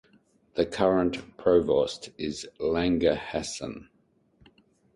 The current provost is Langa Hassan.